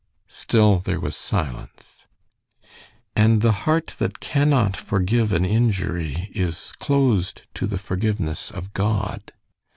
Still there was silence. "And the heart that cannot forgive an injury is closed to the forgiveness of God."